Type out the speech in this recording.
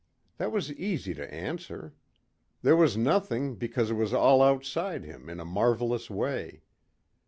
That was easy to answer. There was nothing because it was all outside him in a marvelous way.